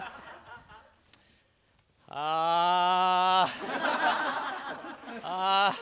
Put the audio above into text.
ああ。